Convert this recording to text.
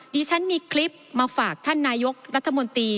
ดิฉันมีคลิปมาฝากท่านนายกรัฐมนตรี